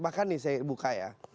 bahkan nih saya buka ya